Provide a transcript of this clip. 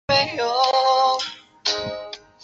当地华人居民将坦帕译作天柏。